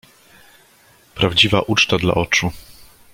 "Prawdziwa uczta dla oczu."